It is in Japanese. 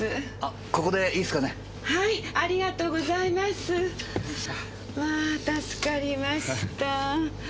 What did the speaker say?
まぁ助かりました。